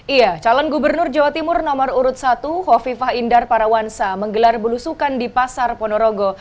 iya calon gubernur jawa timur nomor urut satu kofifah indar parawansa menggelar belusukan di pasar ponorogo